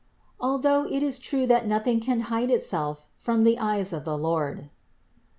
436. Although it is true that nothing can hide itself from the eyes of the Lord (Ps.